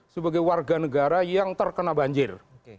sebagai warga negara yang terkena banjir